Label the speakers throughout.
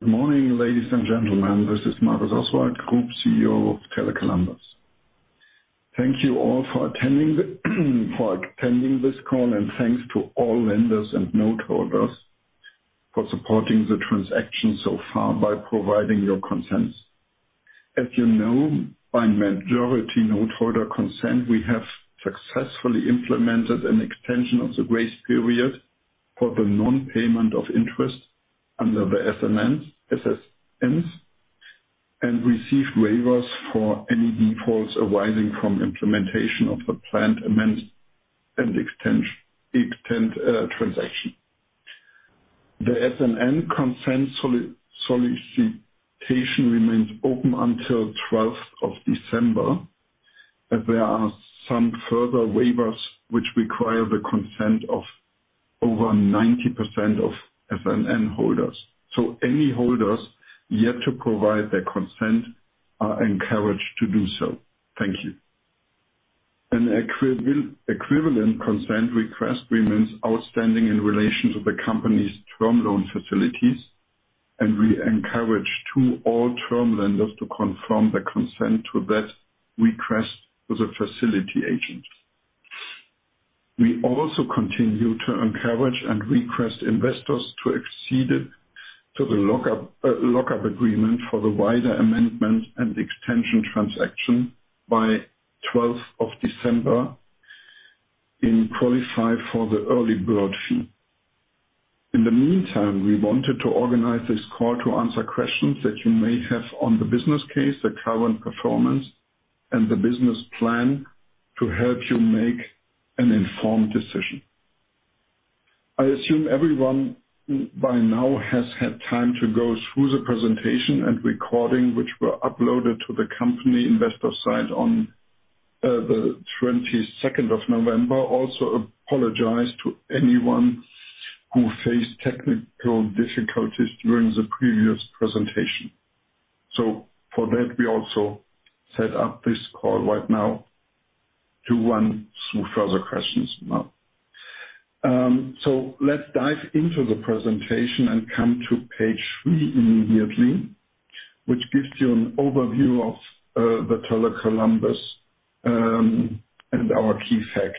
Speaker 1: Good morning, ladies and gentlemen, this is Markus Oswald, Group CEO of Tele Columbus. Thank you all for attending this call, and thanks to all lenders and noteholders for supporting the transaction so far by providing your consent. As you know, by majority noteholder consent, we have successfully implemented an extension of the grace period for the non-payment of interest under the SMNs, SSNs, and received waivers for any defaults arising from implementation of the planned amendment and extension transaction. The SSN consent solicitation remains open until twelfth of December, as there are some further waivers which require the consent of over 90% of SSN holders. So any holders yet to provide their consent are encouraged to do so. Thank you. An equivalent consent request remains outstanding in relation to the company's term loan facilities, and we encourage to all term lenders to confirm their consent to that request with a facility agent. We also continue to encourage and request investors to accede to the lockup agreement for the wider amendment and extension transaction by twelfth of December and qualify for the early bird fee. In the meantime, we wanted to organize this call to answer questions that you may have on the business case, the current performance, and the business plan to help you make an informed decision. I assume everyone by now has had time to go through the presentation and recording, which were uploaded to the company investor site on the twenty-second of November. Also, apologize to anyone who faced technical difficulties during the previous presentation. So for that, we also set up this call right now to run through further questions now. So let's dive into the presentation and come to page three immediately, which gives you an overview of the Tele Columbus and our key facts.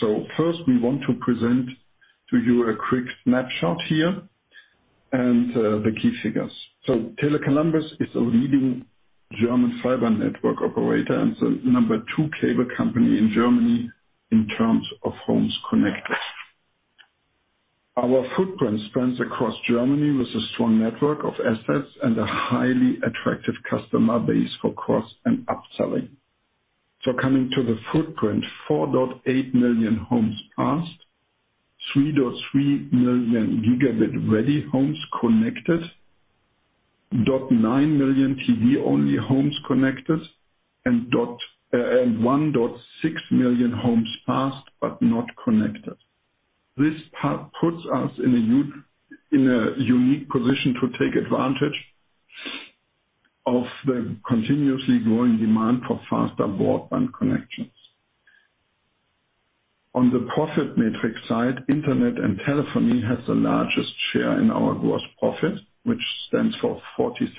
Speaker 1: So first, we want to present to you a quick snapshot here and the key figures. So Tele Columbus is a leading German fiber network operator and the number two cable company in Germany in terms of homes connected. Our footprint spans across Germany, with a strong network of assets and a highly attractive customer base for cross- and upselling. So coming to the footprint, 4.8 million homes passed, 3.3 million gigabit-ready homes connected, 0.9 million TV-only homes connected, and 1.6 million homes passed, but not connected. This puts us in a unique position to take advantage of the continuously growing demand for faster broadband connections. On the profit matrix side, internet and telephony has the largest share in our gross profit, which stands for 47%,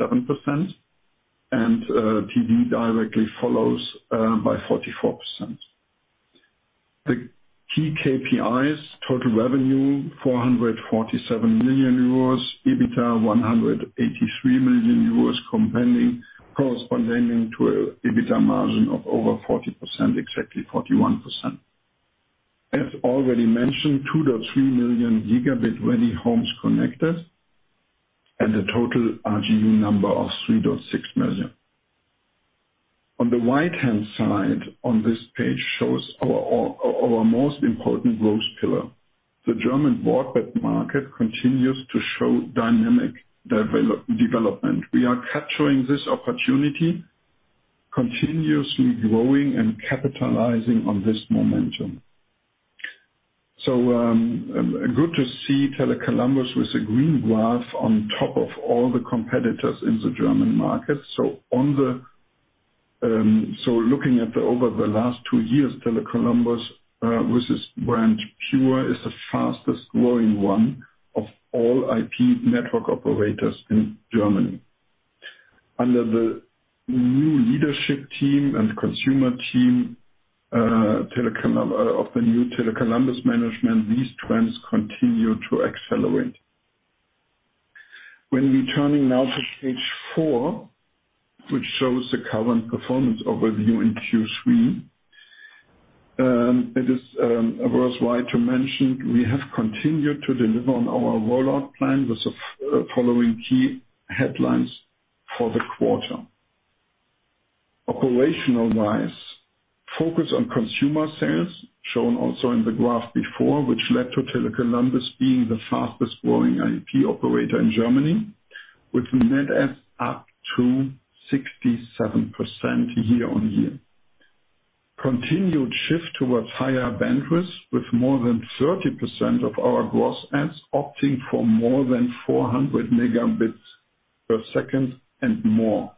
Speaker 1: and TV directly follows by 44%. The key KPIs: total revenue, 447 million euros, EBITDA, 183 million, corresponding to a EBITDA margin of over 40%, exactly 41%. As already mentioned, 2.3 million Gb-ready homes connected and a total RGU number of 3.6 million. On the right-hand side on this page shows our most important growth pillar. The German broadband market continues to show dynamic development. We are capturing this opportunity, continuously growing and capitalizing on this momentum. So, good to see Tele Columbus with a green graph on top of all the competitors in the German market. So looking at over the last two years, Tele Columbus with its brand, PŸUR, is the fastest growing one of all IP network operators in Germany. Under the new leadership team and consumer team, of the new Tele Columbus management, these trends continue to accelerate. When we turning now to page four, which shows the current performance overview in Q3, it is, worthwhile to mention, we have continued to deliver on our rollout plan with the following key headlines for the quarter. Operational-wise, focus on consumer sales, shown also in the graph before, which led to Tele Columbus being the fastest-growing IP operator in Germany, with net adds up to 67% year-on-year. Continued shift towards higher bandwidth, with more than 30% of our gross adds opting for more than 400 Mbps and more,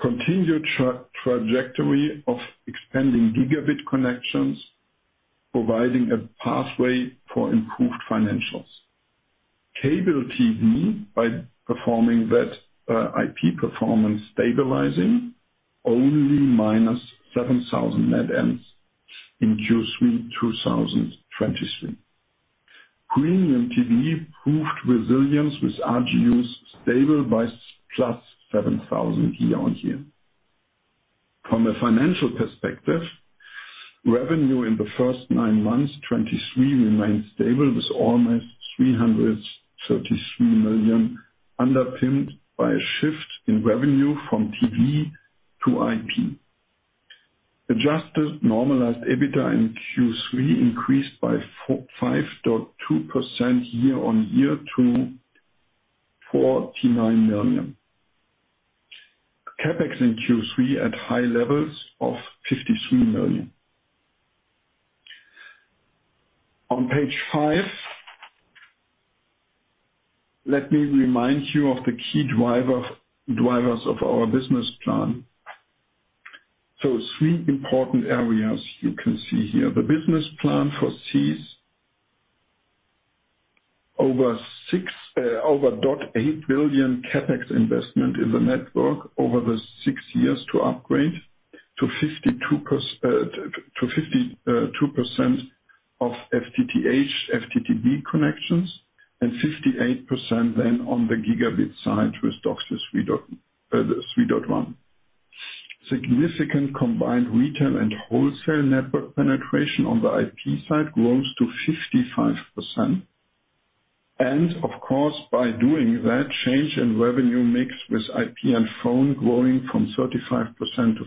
Speaker 1: continued trajectory of expanding gigabit connections, providing a pathway for improved financials. Cable TV, by performing that, IP performance stabilizing only -7,000 net adds in Q3 2023. Premium TV proved resilience with RGUs stable by +7,000 year-on-year. From a financial perspective, revenue in the first nine months, 2023 remains stable, with almost 333 million, underpinned by a shift in revenue from TV to IP. Adjusted normalized EBITDA in Q3 increased by 5.2% year-on-year to 49 million. CapEx in Q3 at high levels of 53 million. On page five, let me remind you of the key driver, drivers of our business plan. So 3 important areas you can see here. The business plan foresees. Over 6.8 billion CapEx investment in the network over the six years to upgrade to 52% of FTTH/FTTB connections and 58% then on the gigabit side with DOCSIS 3.1. Significant combined retail and wholesale network penetration on the IP side grows to 55%. And of course, by doing that, change in revenue mix with IP and phone growing from 35% to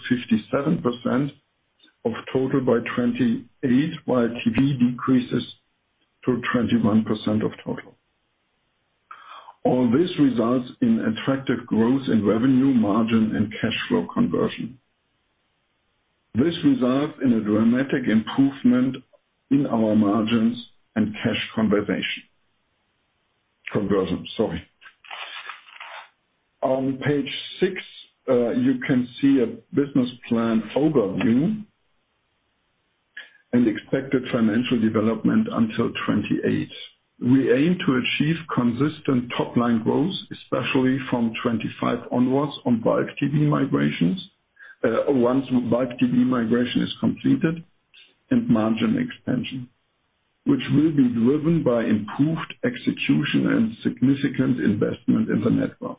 Speaker 1: 57% of total by 2028, while TV decreases to 21% of total. All this results in attractive growth in revenue, margin, and cash flow conversion. This results in a dramatic improvement in our margins and cash conversion. Conversion, sorry. On page six, you can see a business plan overview and expected financial development until 2028. We aim to achieve consistent top-line growth, especially from 2025 onwards on bulk TV migrations. Once bulk TV migration is completed and margin expansion, which will be driven by improved execution and significant investment in the network.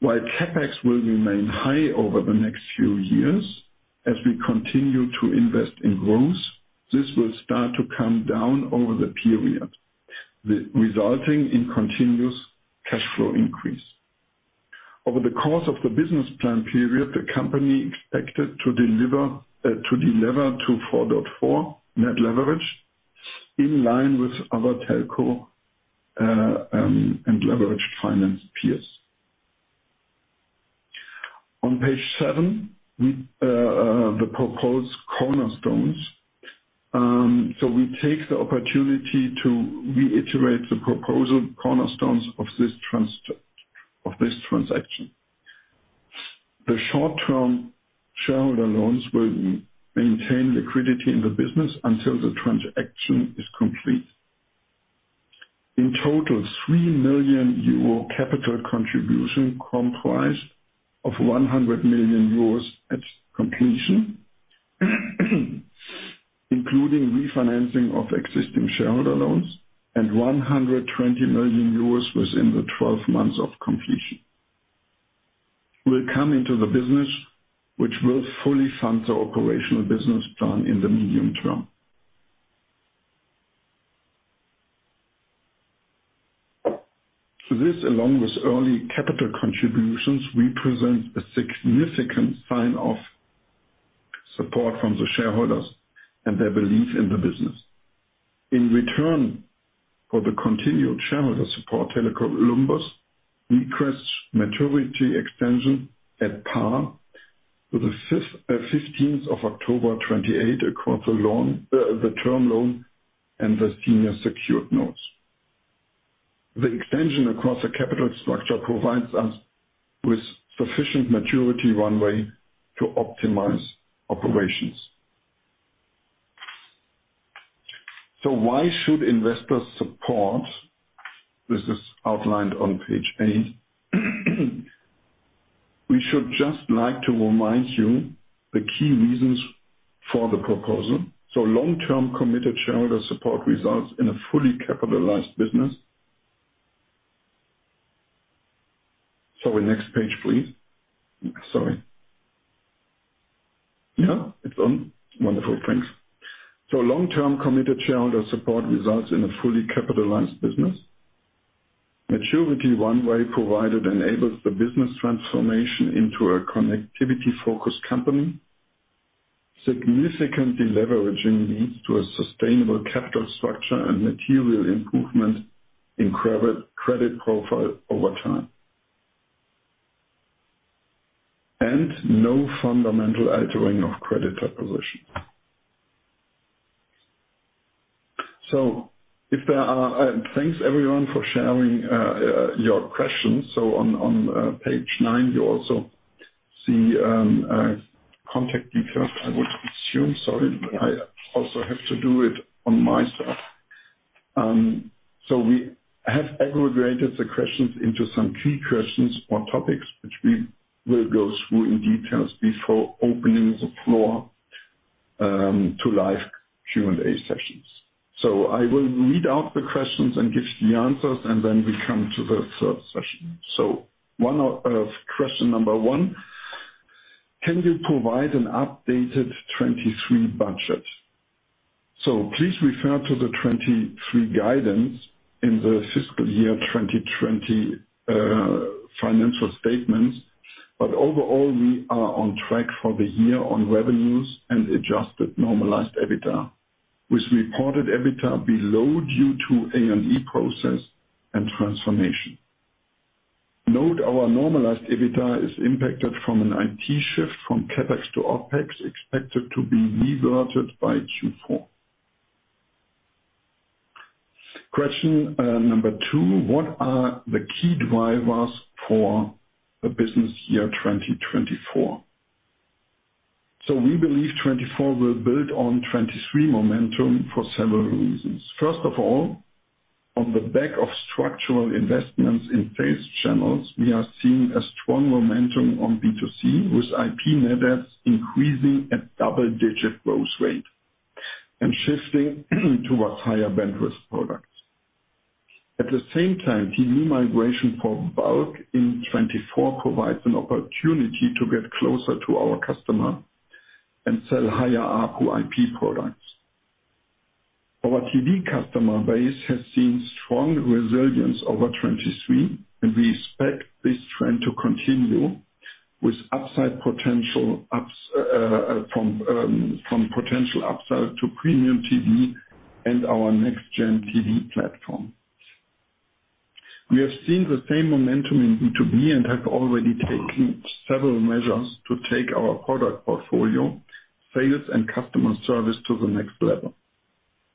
Speaker 1: While CapEx will remain high over the next few years as we continue to invest in growth, this will start to come down over the period, resulting in continuous cash flow increase. Over the course of the business plan period, the company expected to deliver to delever to 4.4 net leverage, in line with other telco and leveraged finance peers. On page seven, we the proposed cornerstones. So we take the opportunity to reiterate the proposed cornerstones of this transaction. The short-term shareholder loans will maintain liquidity in the business until the transaction is complete. In total, 3 million euro capital contribution comprised of 100 million euros at completion, including refinancing of existing shareholder loans and 120 million euros within the 12 months of completion. Will come into the business, which will fully fund the operational business plan in the medium term. So this, along with early capital contributions, represents a significant sign of support from the shareholders and their belief in the business. In return for the continued shareholder support, Tele Columbus requests maturity extension at par to the 15th of October 2028 across the loan, the term loan and the senior secured notes. The extension across the capital structure provides us with sufficient maturity runway to optimize operations. So why should investors support? This is outlined on page eight. We should just like to remind you the key reasons for the proposal. So long-term committed shareholder support results in a fully capitalized business. Sorry, next page, please. Sorry. Yeah, it's on. Wonderful, thanks. So long-term committed shareholder support results in a fully capitalized business. Maturity one way provided enables the business transformation into a connectivity-focused company. Significant deleveraging leads to a sustainable capital structure and material improvement in credit profile over time. And no fundamental altering of credit proposition. So if there are, thanks everyone for sharing, your questions. So on, on, page nine, you also see, a contact details, I would assume. Sorry, I also have to do it on my side. So we have aggregated the questions into some key questions or topics, which we will go through in detail before opening the floor to live Q&A sessions. So I will read out the questions and give the answers, and then we come to the third session. So one of question number one: Can you provide an updated 2023 budget? So please refer to the 2023 guidance in the fiscal year 2020 financial statements. But overall, we are on track for the year on revenues and adjusted normalized EBITDA, with reported EBITDA below due to A&E process and transformation. Note, our normalized EBITDA is impacted from an IT shift from CapEx to OpEx, expected to be reverted by Q4. Question number two: What are the key drivers for the business year 2024? So we believe 2024 will build on 2023 momentum for several reasons. First of all, on the back of structural investments in sales channels, we are seeing a strong momentum on B2C, with IP net adds increasing at double-digit growth rate and shifting towards higher bandwidth products. At the same time, TV migration for bulk in 2024 provides an opportunity to get closer to our customer and sell higher ARPU IP products. Our TV customer base has seen strong resilience over 2023, and we expect this trend to continue with upside potential from potential upside to premium TV and our next gen TV platform. We have seen the same momentum in B2B and have already taken several measures to take our product portfolio, sales, and customer service to the next level.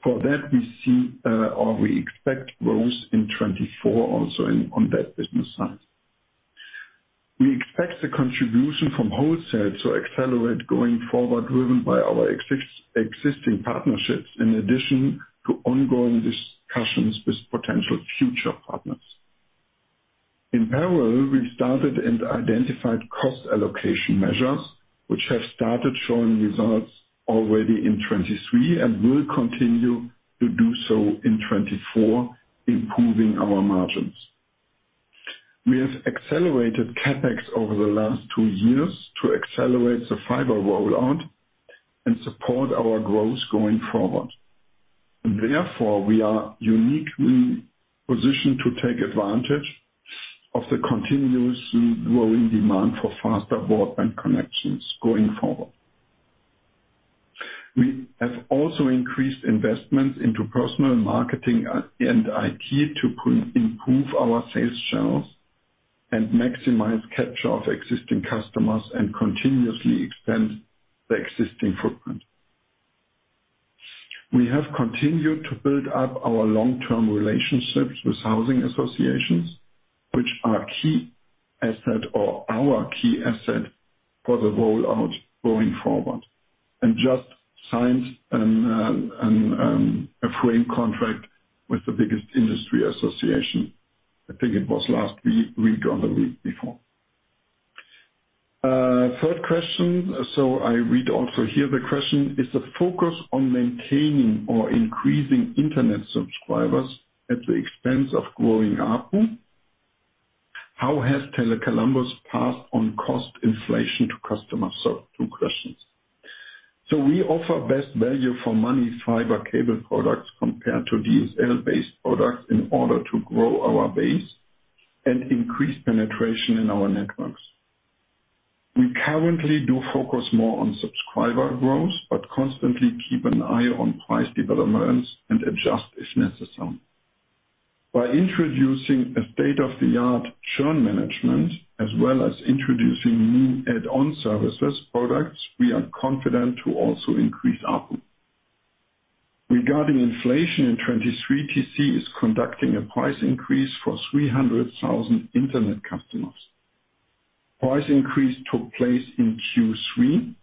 Speaker 1: For that, we see, or we expect growth in 2024 also in, on that business side. We expect the contribution from wholesale to accelerate going forward, driven by our existing partnerships, in addition to ongoing discussions with potential future partners. In parallel, we started and identified cost allocation measures, which have started showing results already in 2023 and will continue to do so in 2024, improving our margins. We have accelerated CapEx over the last two years to accelerate the fiber rollout and support our growth going forward. Therefore, we are uniquely positioned to take advantage of the continuous growing demand for faster broadband connections going forward. We have also increased investments into personal marketing and IT to improve our sales channels and maximize capture of existing customers and continuously expand the existing footprint. We have continued to build up our long-term relationships with housing associations, which are a key asset, or our key asset, for the rollout going forward, and just signed a frame contract with the biggest industry association. I think it was last week or the week before. Third question, so I read also here the question: Is the focus on maintaining or increasing internet subscribers at the expense of growing ARPU? How has Tele Columbus passed on cost inflation to customers? So two questions. So we offer best value for money fiber cable products compared to DSL-based products in order to grow our base and increase penetration in our networks. We currently do focus more on subscriber growth, but constantly keep an eye on price developments and adjust if necessary. By introducing a state-of-the-art churn management, as well as introducing new add-on services products, we are confident to also increase ARPU. Regarding inflation in 2023, TC is conducting a price increase for 300,000 internet customers. Price increase took place in Q3.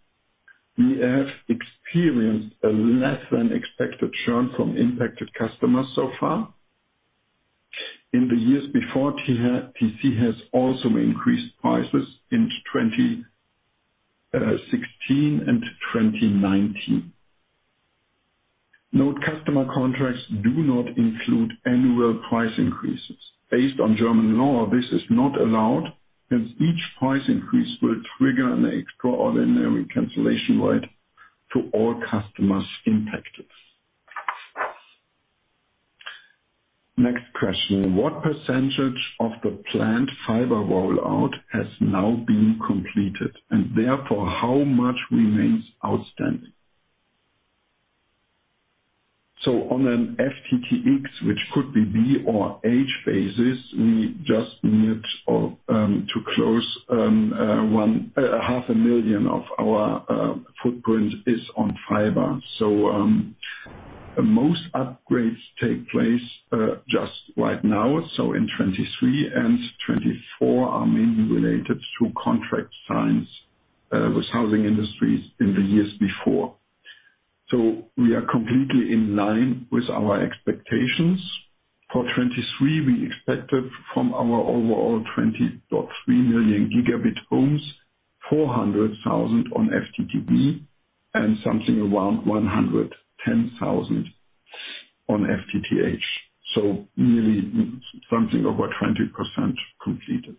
Speaker 1: We have experienced a less than expected churn from impacted customers so far. In the years before, TC has also increased prices in 2016 and 2019. Note, customer contracts do not include annual price increases. Based on German law, this is not allowed, and each price increase will trigger an extraordinary cancellation rate to all customers impacted. Next question: What percentage of the planned fiber rollout has now been completed, and therefore, how much remains outstanding? So on an FTTX, which could be FTTB or FTTH, we just need to close 1.5 million of our footprint is on fiber. Most upgrades take place just right now, so in 2023 and 2024, are mainly related to contract signings with housing associations in the years before. So we are completely in line with our expectations. For 2023, we expected from our overall 20.3 million gigabit homes, 400,000 on FTTP, and something around 110,000 on FTTH. So really something over 20% completed.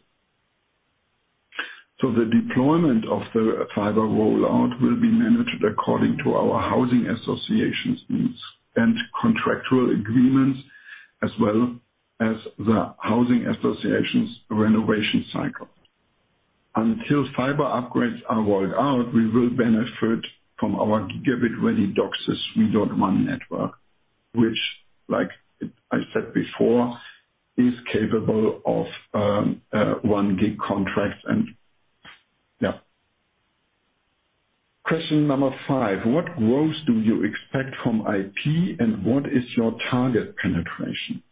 Speaker 1: So the deployment of the fiber rollout will be managed according to our housing associations needs and contractual agreements, as well as the housing associations renovation cycle. Until fiber upgrades are rolled out, we will benefit from our gigabit-ready DOCSIS 3.1 network, which, like I said before, is capable of 1 gig contracts. Question 5: What growth do you expect from IP, and what is your target penetration?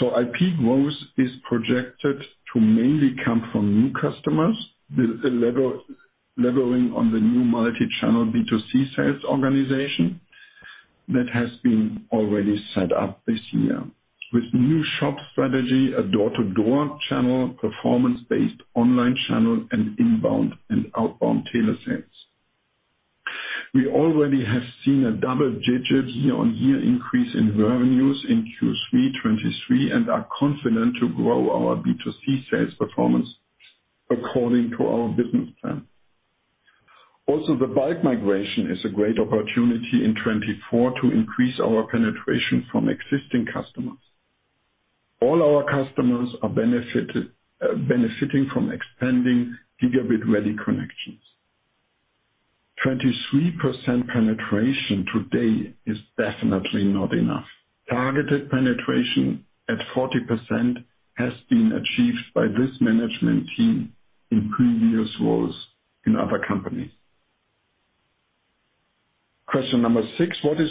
Speaker 1: IP growth is projected to mainly come from new customers with a leveraging on the new multi-channel B2C sales organization that has been already set up this year. With new shop strategy, a door-to-door channel, performance-based online channel, and inbound and outbound telesales. We already have seen a double-digit year-on-year increase in revenues in Q3 2023, and are confident to grow our B2C sales performance according to our business plan. Also, the bulk migration is a great opportunity in 2024 to increase our penetration from existing customers. All our customers are benefiting from expanding gigabit-ready connections. 23% penetration today is definitely not enough. Targeted penetration at 40% has been achieved by this management team in previous roles in other companies. Question number six: What is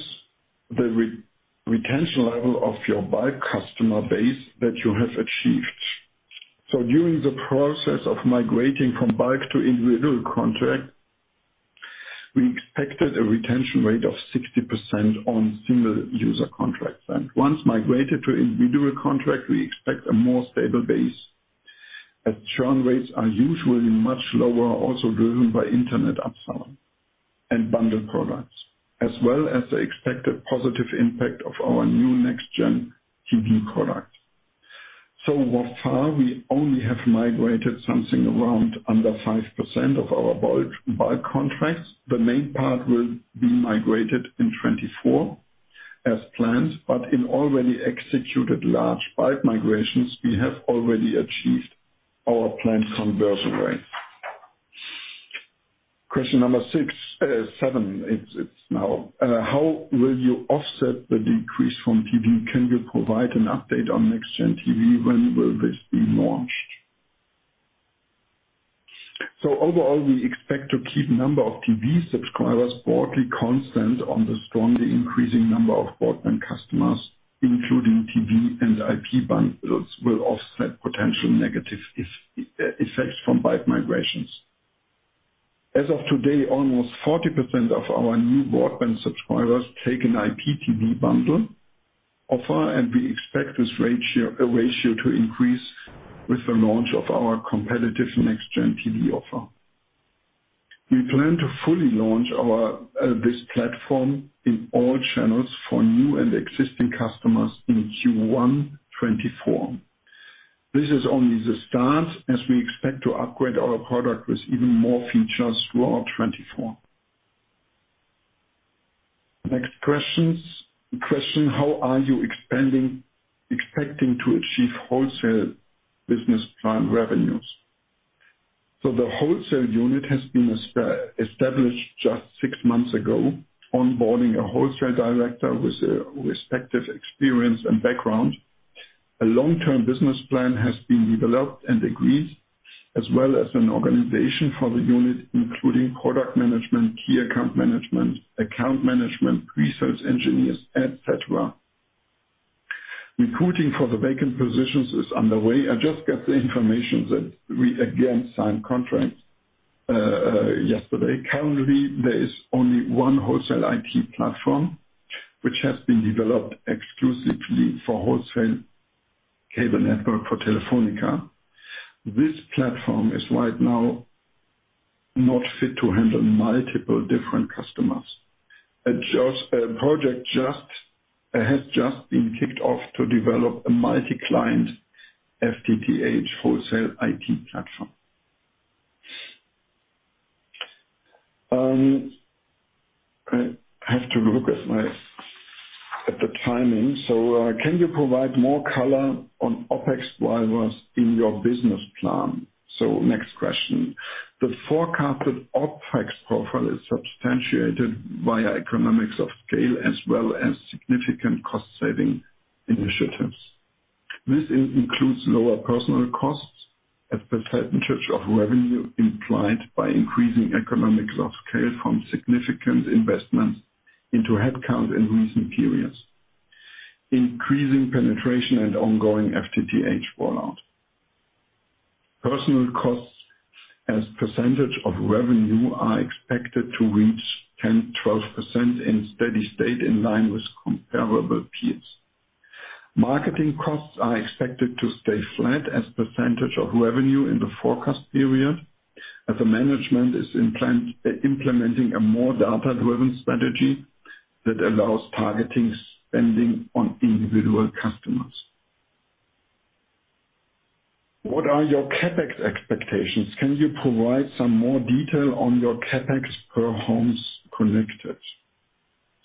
Speaker 1: the retention level of your bulk customer base that you have achieved? So during the process of migrating from bulk to individual contract, we expected a retention rate of 60% on single user contracts, and once migrated to individual contract, we expect a more stable base, as churn rates are usually much lower, also driven by internet upsell and bundled products, as well as the expected positive impact of our new next gen TV product. So far, we only have migrated something around under 5% of our bulk contracts. The main part will be migrated in 2024 as planned, but in already executed large bulk migrations, we have already achieved our planned conversion rate. Question number six, seven, it's now: How will you offset the decrease from TV? Can you provide an update on next gen TV? When will this be launched? So overall, we expect to keep number of TV subscribers broadly constant on the strongly increasing number of broadband customers, including TV and IP bundles, will offset potential negative effects from bulk migrations. As of today, almost 40% of our new broadband subscribers take an IPTV bundle offer, and we expect this ratio to increase with the launch of our competitive next gen TV offer. We plan to fully launch this platform in all channels for new and existing customers in Q1 2024. This is only the start, as we expect to upgrade our product with even more features throughout 2024. Next questions. Question: How are you expanding-expecting to achieve wholesale business plan revenues? So the wholesale unit has been established just six months ago, onboarding a wholesale director with respective experience and background. A long-term business plan has been developed and agreed, as well as an organization for the unit, including product management, key account management, account management, pre-sales engineers, et cetera. Recruiting for the vacant positions is underway. I just got the information that we again signed contracts yesterday. Currently, there is only one wholesale IT platform, which has been developed exclusively for wholesale cable network for Telefónica. This platform is right now not fit to handle multiple different customers. A project has just been kicked off to develop a multi-client FTTH wholesale IT platform. I have to look at my, at the timing. So, can you provide more color on OpEx drivers in your business plan? So next question. The forecasted OpEx profile is substantiated via economies of scale as well as significant cost saving initiatives. This includes lower personnel costs as percentage of revenue implied by increasing economies of scale from significant investments into headcount in recent periods, increasing penetration and ongoing FTTH rollout. Personnel costs as percentage of revenue are expected to reach 10%-12% in steady state, in line with comparable peers. Marketing costs are expected to stay flat as percentage of revenue in the forecast period, as the management is implementing a more data-driven strategy that allows targeting spending on individual customers. "What are your CapEx expectations? Can you provide some more detail on your CapEx per homes connected?"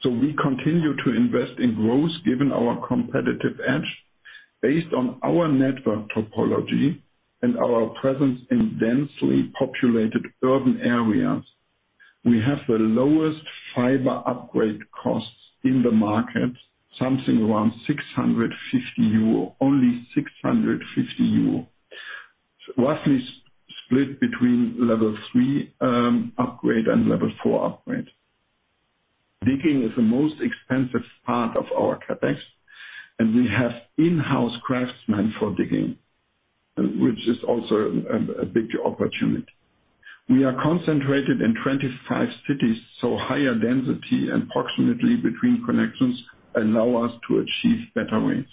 Speaker 1: So we continue to invest in growth, given our competitive edge. Based on our network topology and our presence in densely populated urban areas, we have the lowest fiber upgrade costs in the market, something around 650 euro, only 650. Roughly split between level three upgrade and level four upgrade. Digging is the most expensive part of our CapEx, and we have in-house craftsmen for digging, which is also a big opportunity. We are concentrated in 25 cities, so higher density and proximity between connections allow us to achieve better rates.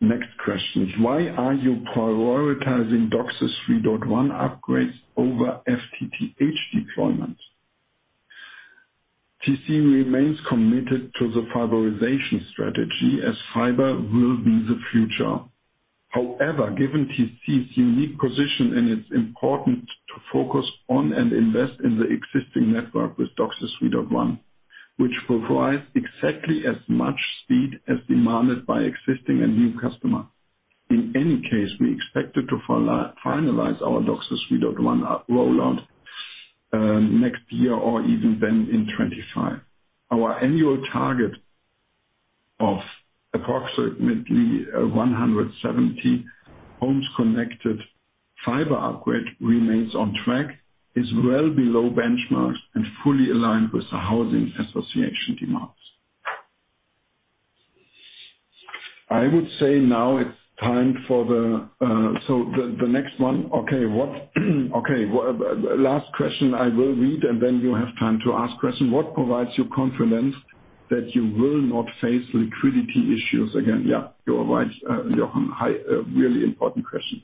Speaker 1: Next question: "Why are you prioritizing DOCSIS 3.1 upgrades over FTTH deployments? TC remains committed to the fiberization strategy, as fiber will be the future. However, given TC's unique position, and it's important to focus on and invest in the existing network with DOCSIS 3.1, which provides exactly as much speed as demanded by existing and new customers. In any case, we expected to finalize our DOCSIS 3.1 rollout next year or even then in 2025. Our annual target of approximately 170 homes connected fiber upgrade remains on track, is well below benchmarks, and fully aligned with the housing association demands. I would say now it's time for the, so the next one. Okay, what okay. Last question I will read, and then you have time to ask question: "What provides you confidence that you will not face liquidity issues again?" Yeah, you are right, Johan. High, a really important question.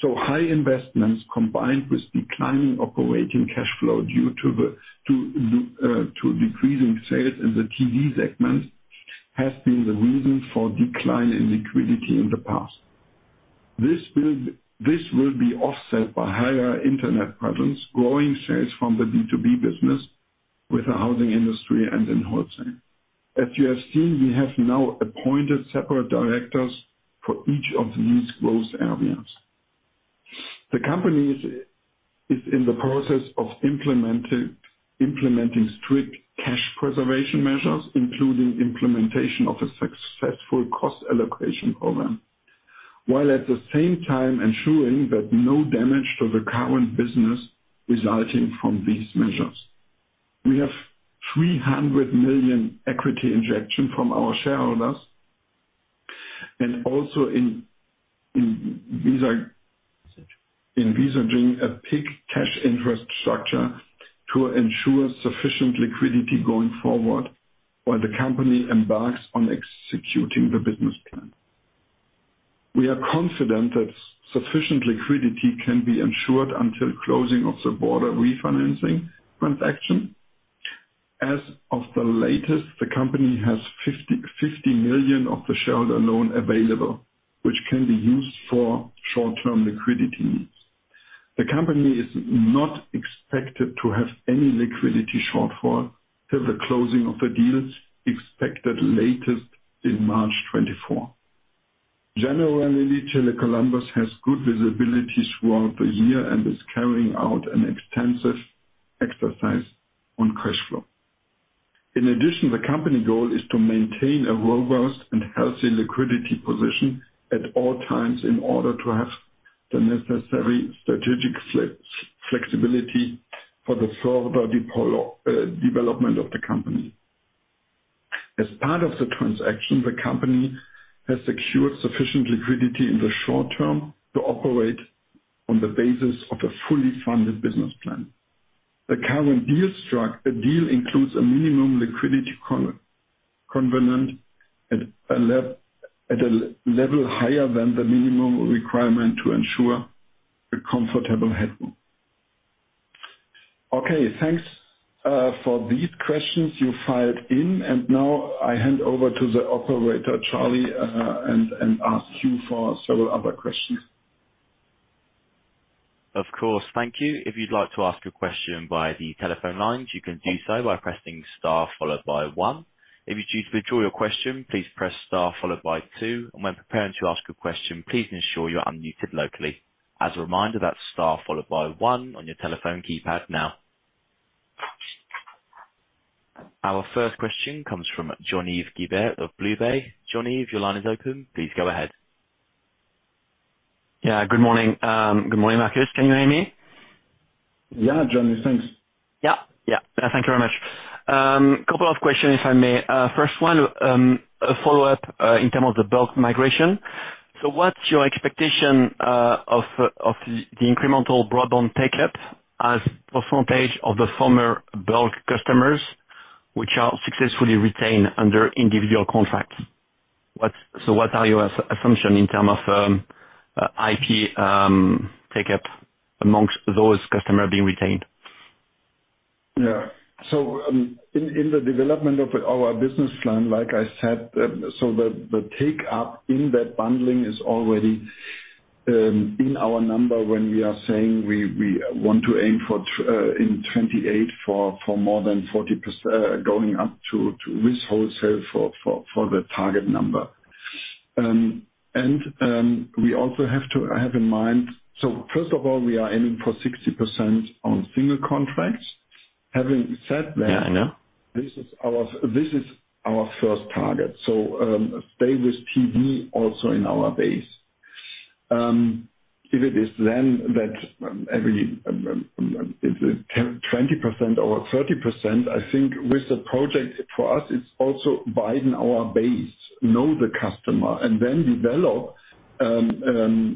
Speaker 1: So high investments, combined with declining operating cash flow due to the, to decreasing sales in the TV segment, has been the reason for decline in liquidity in the past. This will be offset by higher internet presence, growing sales from the B2B business with the housing industry and in wholesale. As you have seen, we have now appointed separate directors for each of these growth areas. The company is in the process of implementing strict cash preservation measures, including implementation of a successful cost allocation program, while at the same time ensuring that no damage to the current business resulting from these measures. We have 300 million equity injection from our shareholders, and also envisaging a PIK cash interest structure to ensure sufficient liquidity going forward, while the company embarks on executing the business plan. We are confident that sufficient liquidity can be ensured until closing of the broader refinancing transaction. As of the latest, the company has 50 million of the shareholder loan available, which can be used for short-term liquidity needs. The company is not expected to have any liquidity shortfall till the closing of the deals, expected latest in March 2024. Generally, Tele Columbus has good visibility throughout the year and is carrying out an extensive exercise on cash flow. In addition, the company goal is to maintain a robust and healthy liquidity position at all times, in order to have the necessary strategic flexibility for the further development of the company. As part of the transaction, the company has secured sufficient liquidity in the short term to operate on the basis of a fully funded business plan. The current deal includes a minimum liquidity covenant at a level higher than the minimum requirement to ensure a comfortable headroom. Okay, thanks for these questions you filed in, and now I hand over to the operator, Charlie, and ask you for several other questions.
Speaker 2: Of course. Thank you. If you'd like to ask a question by the telephone lines, you can do so by pressing star followed by one. If you'd choose to withdraw your question, please press star followed by two, and when preparing to ask a question, please ensure you're unmuted locally. As a reminder, that's star followed by one on your telephone keypad now. Our first question comes from Jean-Yves Guibert of BlueBay. Jean-Yves, your line is open. Please go ahead.
Speaker 3: Yeah, good morning. Good morning, Markus. Can you hear me?
Speaker 1: Yeah, Jean-Yves, thanks.
Speaker 3: Yeah. Yeah, thank you very much. Couple of questions, if I may. First one, a follow-up, in terms of the bulk migration. So what's your expectation of the incremental broadband take-up as a percentage of the former bulk customers which are successfully retained under individual contracts? So what are your assumption in terms of IP take-up amongst those customers being retained?
Speaker 1: Yeah. So, in the development of our business plan, like I said, so the take-up in that bundling is already in our number when we are saying we want to aim for 20 in 2028 for more than 40% going up to this wholesale for the target number. And we also have to have in mind. So first of all, we are aiming for 60% on single contracts. Having said that-
Speaker 3: Yeah, I know.
Speaker 1: This is our, this is our first target, so, stay with TV also in our base. If it is then that, every, if 20% or 30%, I think with the project, for us, it's also widen our base. Know the customer, and then develop, then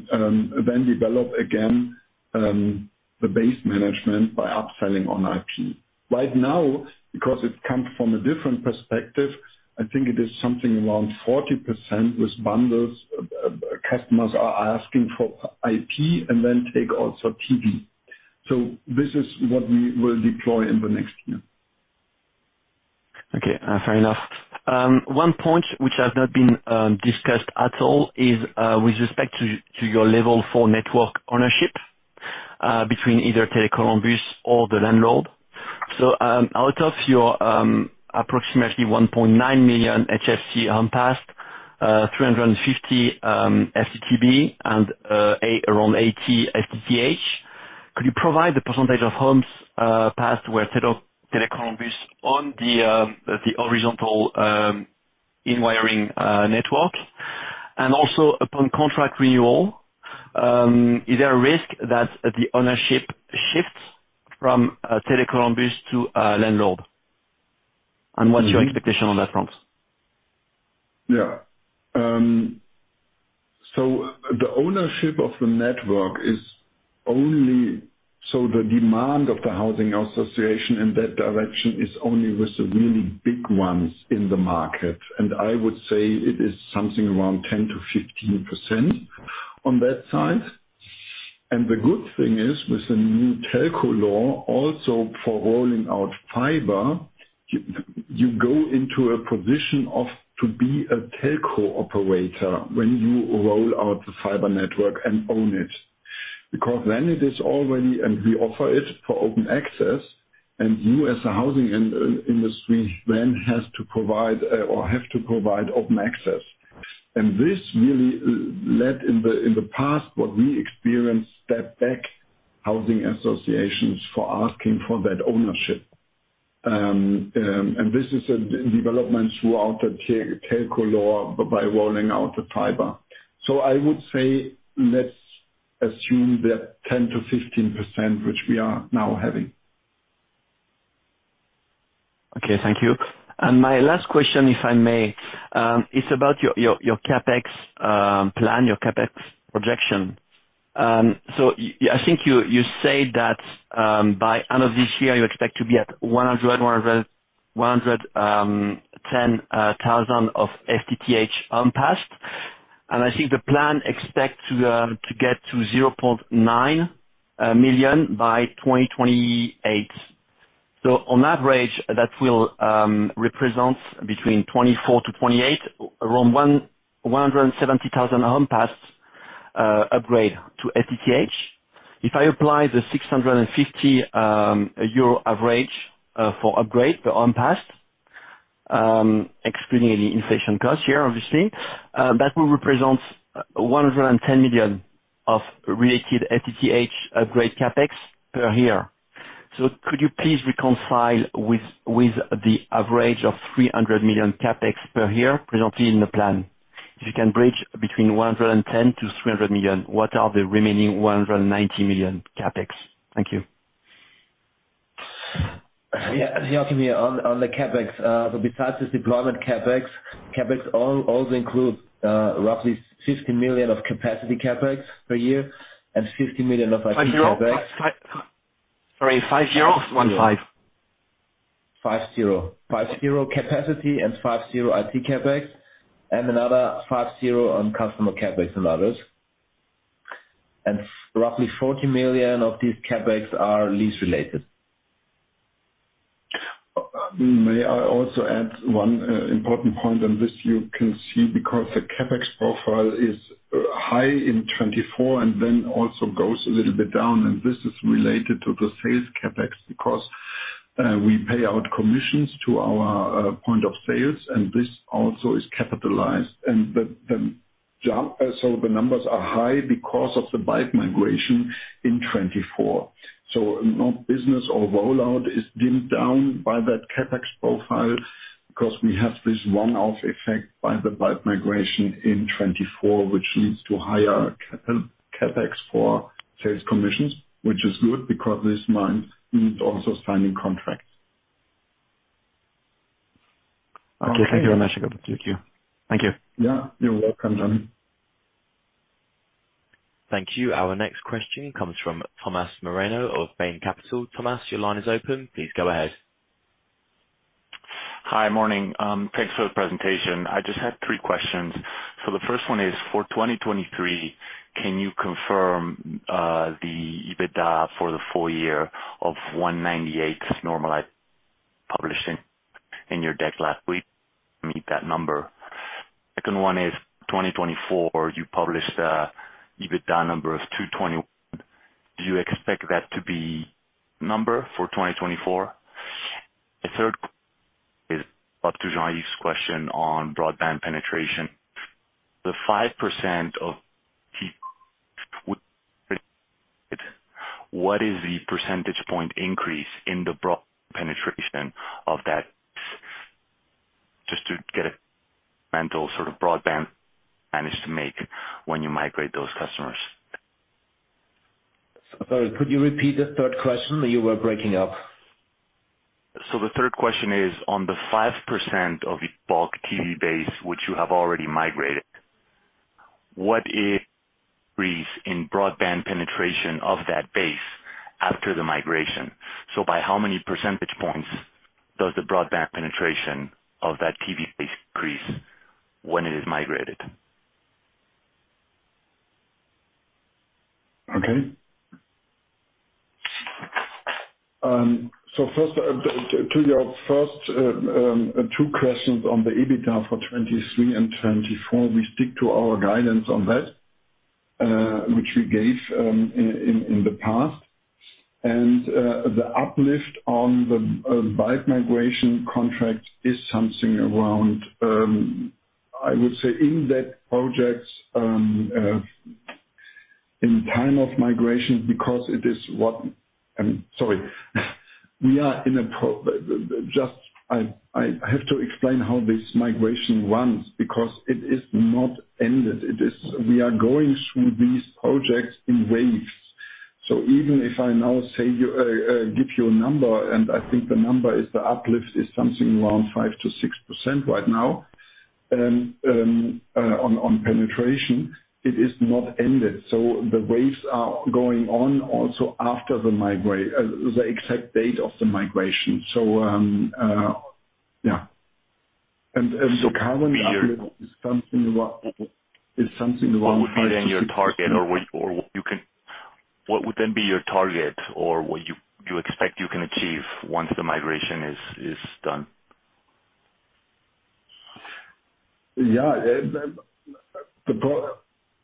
Speaker 1: develop again, the base management by upselling on IP. Right now, because it comes from a different perspective, I think it is something around 40% with bundles, customers are asking for IP and then take also TV. So this is what we will deploy in the next year.
Speaker 3: Okay, fair enough. One point which has not been discussed at all is with respect to your level for network ownership between either Tele Columbus or the landlord. So, out of your approximately 1.9 million HFC passed, 350 FTTB, and around 80 FTTH, could you provide the percentage of homes passed where set up Tele Columbus on the horizontal in-wiring network? And also, upon contract renewal, is there a risk that the ownership shifts from Tele Columbus to a landlord? And what's your expectation on that front?
Speaker 1: Yeah. So the ownership of the network is only... So the demand of the housing association in that direction is only with the really big ones in the market, and I would say it is something around 10%-15% on that side. And the good thing is, with the new telco law, also for rolling out fiber, you go into a position of, to be a telco operator when you roll out the fiber network and own it. Because then it is already, and we offer it for open access, and you, as a housing industry, then has to provide, or have to provide open access. And this really led, in the, in the past, what we experienced, step back housing associations for asking for that ownership. This is a development throughout the telco law by rolling out the fiber. So I would say, let's assume that 10%-15%, which we are now having.
Speaker 3: Okay, thank you. And my last question, if I may, is about your, your, your CapEx plan, your CapEx projection. So I think you said that, by end of this year, you expect to be at 110,000 of FTTH passed. And I think the plan expects to get to 0.9 million by 2028. So on average, that will represent between 2024-2028, around 170,000 passed upgrade to FTTH. If I apply the 650 euro average for upgrade, the unpassed, excluding any inflation costs here, obviously, that will represent 110 million of related FTTH upgrade CapEx per year. Could you please reconcile with the average of 300 million CapEx per year presented in the plan? If you can bridge between 110 million-300 million, what are the remaining 190 million CapEx? Thank you.
Speaker 4: Yeah, on the CapEx, so besides the deployment CapEx, CapEx also include roughly 50 million of capacity CapEx per year, and 50 million of IT CapEx.
Speaker 3: Sorry, 50? 15.
Speaker 4: 50. 50 capacity and 50 IT CapEx, and another 50 on customer CapEx and others. And roughly 40 million of these CapEx are lease related.
Speaker 1: May I also add one important point on this? You can see, because the CapEx profile is high in 2024 and then also goes a little bit down, and this is related to the sales CapEx, because we pay out commissions to our point of sales, and this also is capitalized. And the jump, so the numbers are high because of the bulk migration in 2024. So no business or rollout is dimmed down by that CapEx profile, because we have this one-off effect by the bulk migration in 2024, which leads to higher CapEx for sales commissions, which is good, because this month is also signing contracts.
Speaker 3: Okay, thank you very much. Thank you. Thank you.
Speaker 1: Yeah, you're welcome, John.
Speaker 2: Thank you. Our next question comes from Tomas Moreno of Bain Capital. Tomas, your line is open. Please go ahead.
Speaker 5: Hi, morning. Thanks for the presentation. I just had three questions. So the first one is, for 2023, can you confirm the EBITDA for the full year of 198 normalized, published in your deck last week, meet that number? Second one is, 2024, you published a EBITDA number of 220. Do you expect that to be number for 2024? The third is up to Jean-Yves' question on broadband penetration. The 5% of people, what is the percentage point increase in the broad penetration of that, just to get a mental sort of broadband managed to make when you migrate those customers?
Speaker 1: Sorry, could you repeat the third question? You were breaking up.
Speaker 5: The third question is, on the 5% of the bulk TV base, which you have already migrated, what is increase in broadband penetration of that base after the migration? So by how many percentage points does the broadband penetration of that TV base increase when it is migrated?
Speaker 1: Okay. So first, to your first two questions on the EBITDA for 2023 and 2024, we stick to our guidance on that, which we gave in the past. And, the uplift on the byte migration contract is something around, I would say in that project, in time of migration, because it is what. Sorry, I have to explain how this migration runs, because it is not ended. It is, we are going through these projects in waves. So even if I now say, give you a number, and I think the number is, the uplift is something around 5%-6% right now, on penetration, it is not ended. So the waves are going on also after the migration, the exact date of the migration. So, and the current is something around five to six.
Speaker 5: What would then be your target or what you expect you can achieve once the migration is done?
Speaker 1: Yeah,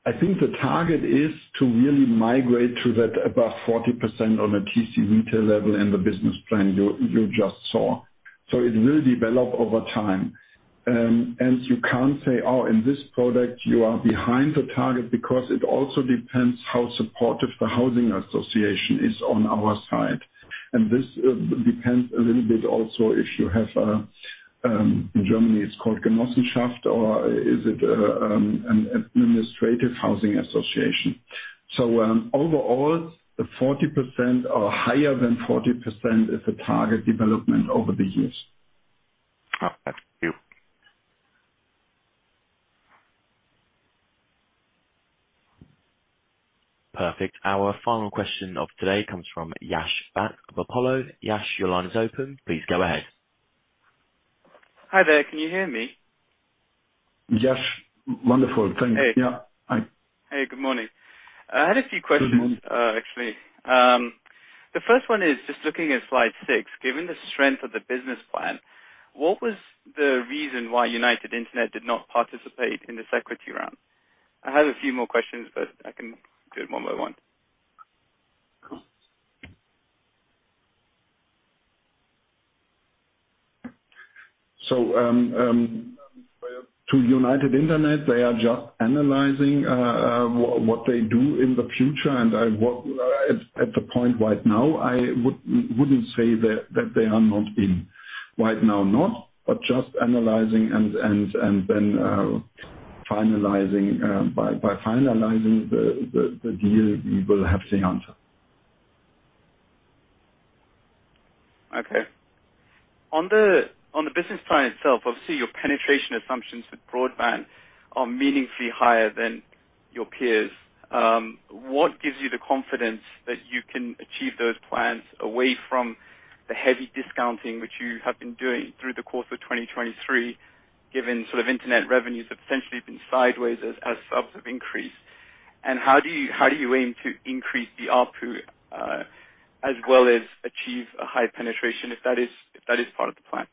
Speaker 1: the target is to really migrate to that above 40% on a TC retail level and the business plan you just saw. So it will develop over time. And you can't say, "Oh, in this product, you are behind the target," because it also depends how supportive the housing association is on our side. And this depends a little bit also, if you have in Germany, it's called Genossenschaften, or is it an administrative housing association? So, overall, the 40% or higher than 40% is the target development over the years.
Speaker 5: Oh, thank you.
Speaker 2: Perfect. Our final question of today comes from Yash Bhatt of Apollo. Yash, your line is open. Please go ahead.
Speaker 6: Hi there. Can you hear me?
Speaker 1: Yash, wonderful. Thank you.
Speaker 6: Hey.
Speaker 1: Yeah. Hi.
Speaker 6: Hey, good morning. I had a few questions-
Speaker 1: Good morning.
Speaker 6: Actually, the first one is just looking at slide 6. Given the strength of the business plan, what was the reason why United Internet did not participate in this equity round? I have a few more questions, but I can do it one by one.
Speaker 4: So, to United Internet, they are just analyzing what they do in the future. And at the point right now, I wouldn't say that they are not in. Right now not, but just analyzing and then by finalizing the deal, we will have the answer.
Speaker 6: Okay. On the business plan itself, obviously, your penetration assumptions with broadband are meaningfully higher than your peers. What gives you the confidence that you can achieve those plans away from the heavy discounting, which you have been doing through the course of 2023, given sort of internet revenues have essentially been sideways as subs have increased? And how do you aim to increase the ARPU as well as achieve a high penetration, if that is part of the plan?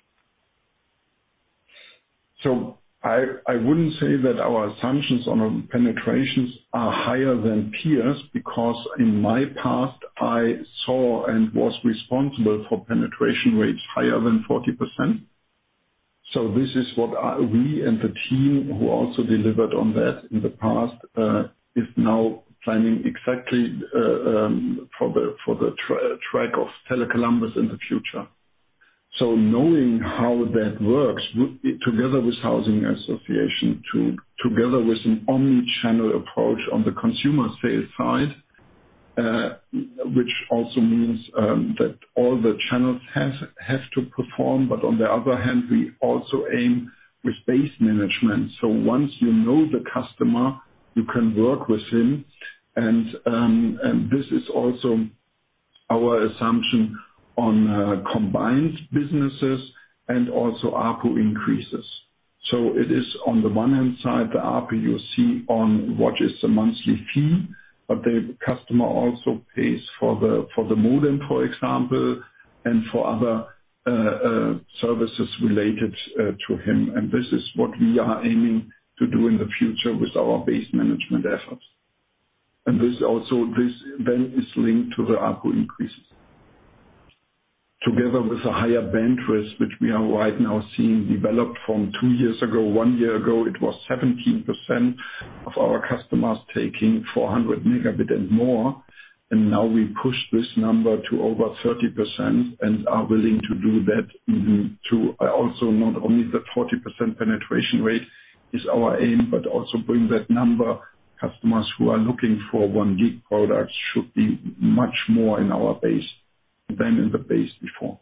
Speaker 1: So I wouldn't say that our assumptions on our penetrations are higher than peers, because in my past, I saw and was responsible for penetration rates higher than 40%. This is what we and the team who also delivered on that in the past is now planning exactly for the track of Tele Columbus in the future. Knowing how that works, together with housing association, together with an omni-channel approach on the consumer sales side, which also means that all the channels have to perform, but on the other hand, we also aim with base management. Once you know the customer, you can work with him, and this is also our assumption on combined businesses and also ARPU increases. So it is on the one hand side, the ARPU, you see on what is the monthly fee, but the customer also pays for the, for the modem, for example, and for other services related to him. And this is what we are aiming to do in the future with our base management efforts. And this also, this then is linked to the ARPU increases. Together with a higher bandwidth, which we are right now seeing developed from two years ago. One year ago, it was 17% of our customers taking 400 megabit and more, and now we push this number to over 30% and are willing to do that, mm-hmm, to also not only the 40% penetration rate is our aim, but also bring that number, customers who are looking for 1 gig products should be much more in our base than in the base before.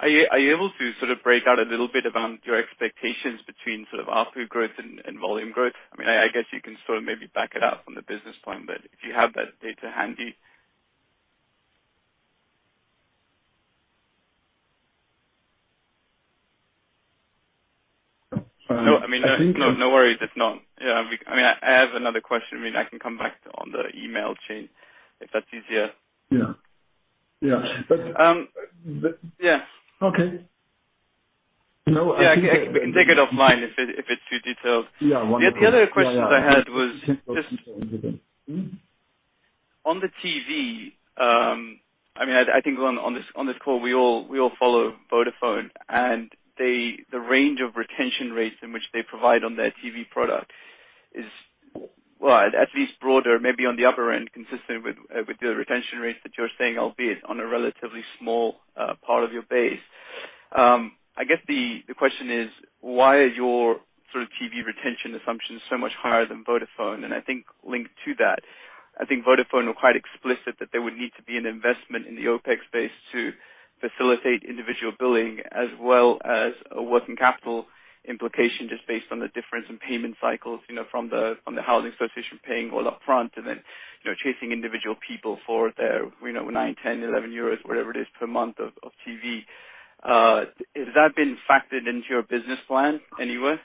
Speaker 6: Are you able to sort of break out a little bit about your expectations between sort of ARPU growth and volume growth? I mean, I guess you can sort of maybe back it out from the business point, but if you have that data handy.
Speaker 1: I think-
Speaker 6: No, I mean, no. No worry if it's not. Yeah, I mean, I have another question. I mean, I can come back on the email chain, if that's easier.
Speaker 1: Yeah. Yeah. But.
Speaker 6: Yeah.
Speaker 1: Okay. No, I think-
Speaker 6: Yeah, we can take it offline if it's too detailed.
Speaker 1: Yeah. Wonderful.
Speaker 6: The other questions I had was just, on the TV, I mean, I think on this call, we all follow Vodafone, and they, the range of retention rates in which they provide on their TV product is, well, at least broader, maybe on the upper end, consistent with the retention rates that you're saying, albeit on a relatively small part of your base. I guess the question is, why are your sort of TV retention assumptions so much higher than Vodafone? I think linked to that, I think Vodafone were quite explicit that there would need to be an investment in the OpEx space to facilitate individual billing, as well as a working capital implication, just based on the difference in payment cycles, you know, from the housing association paying all upfront and then, you know, chasing individual people for their, you know, 9, 10, 11, whatever it is, per month of TV. Has that been factored into your business plan anywhere?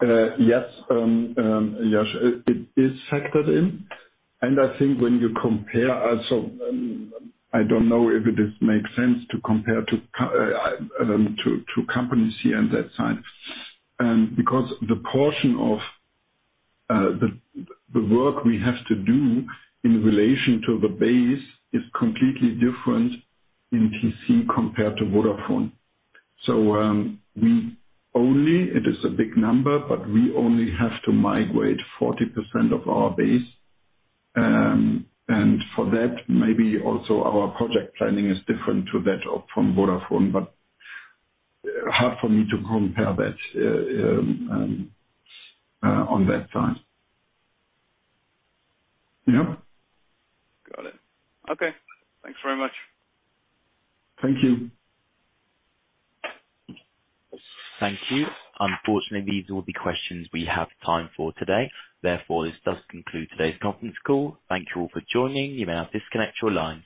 Speaker 1: Yes, Yash, it is factored in, and I think when you compare also, I don't know if it is make sense to compare to companies here on that side. Because the portion of the work we have to do in relation to the base is completely different in TC compared to Vodafone. So, we only, it is a big number, but we only have to migrate 40% of our base. And for that, maybe also our project planning is different to that of from Vodafone, but hard for me to compare that on that side. Yeah?
Speaker 6: Got it. Okay, thanks very much.
Speaker 1: Thank you.
Speaker 2: Thank you. Unfortunately, these are all the questions we have time for today. Therefore, this does conclude today's conference call. Thank you all for joining. You may now disconnect your lines.